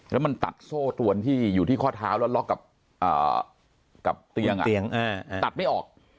แล้วมันตัดโซ่ตวนที่อยู่ที่ข้อเท้าแล้วล็อกกับเตียงตัดไม่ออก